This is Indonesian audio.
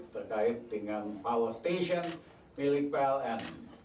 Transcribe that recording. terkait dengan power station milik pln